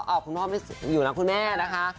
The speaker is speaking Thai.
อ่าคุณพ่ออยู่หลังคุณแม่นะคะ